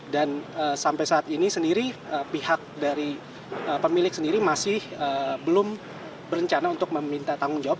dan sampai saat ini sendiri pihak dari pemilik sendiri masih belum berencana untuk meminta tanggung jawab